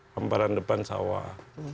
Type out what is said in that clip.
kemparan depan sawah